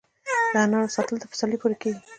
د انارو ساتل تر پسرلي پورې کیږي؟